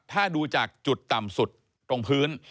ถ้าดูจากจุดต่ำสุดตรงพื้น